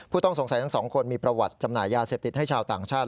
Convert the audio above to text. ต้องสงสัยทั้งสองคนมีประวัติจำหน่ายยาเสพติดให้ชาวต่างชาติ